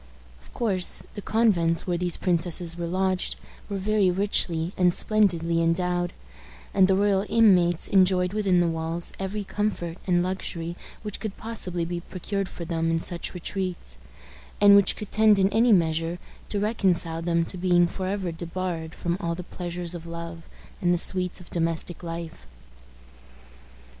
Of course, the convents where these princesses were lodged were very richly and splendidly endowed, and the royal inmates enjoyed within the walls every comfort and luxury which could possibly be procured for them in such retreats, and which could tend in any measure to reconcile them to being forever debarred from all the pleasures of love and the sweets of domestic life.